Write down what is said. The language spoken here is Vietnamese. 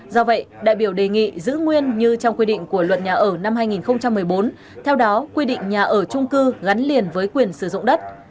do vậy đại biểu đề nghị giữ nguyên như trong quy định của luật nhà ở năm hai nghìn một mươi bốn theo đó quy định nhà ở trung cư gắn liền với quyền sử dụng đất